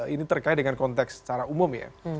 ini terkait dengan konteks secara umum ya